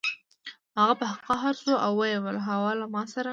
هغه په قهر شو او ویې ویل هو له ما سره